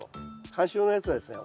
観賞用のやつはですね